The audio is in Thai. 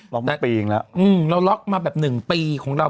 ล็อกมาปีอีกแล้วอืมเราล็อกมาแบบ๑ปีของเรา